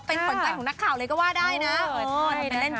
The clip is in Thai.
เป็นขวานใจของนักข่าวเลยก็ว่าได้นะเออทำเป็นเล่นปั๊บ